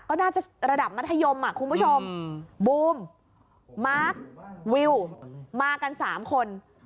ก็น่าจะระดับมัธยมคุณผู้ชมบูมมาร์ควิวมากัน๓คน